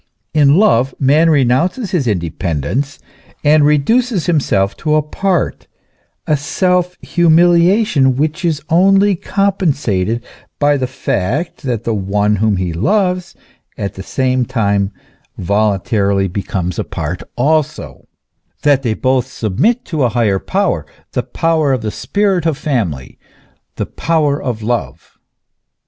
In love man renounces his independence, and reduces himself to a part : a self humiliation which is only compensated by the fact that the one whom he loves at the same time voluntarily becomes a part also ; that they both sub mit to a higher power, the power of the spirit of family, the power of love.